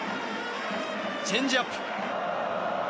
チェンジアップ。